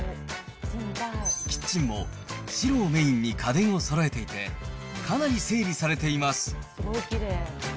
キッチンも、白をメインに家電をそろえていて、かなり整理されています。